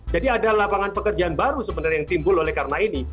jadi ada lapangan pekerjaan baru sebenarnya yang timbul oleh karena ini